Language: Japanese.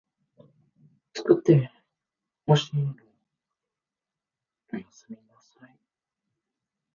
つくってほしいのおやすみなさい